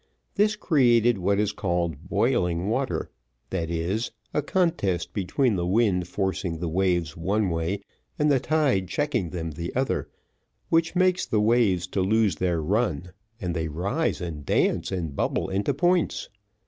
This created what is called boiling water, that is, a contest between the wind forcing the waves one way, and the tide checking them the other, which makes the waves to lose their run, and they rise, and dance, and bubble into points.